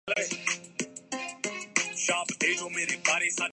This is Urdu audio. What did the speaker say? ایک پرچی نے مجھے دونوں